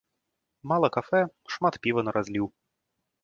Мала кафэ, шмат піва на разліў.